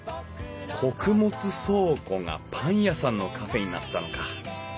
穀物倉庫がパン屋さんのカフェになったのか。